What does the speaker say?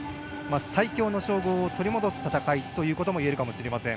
最強の称号を取り戻す戦いということも言えるかもしれません。